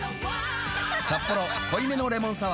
「サッポロ濃いめのレモンサワー」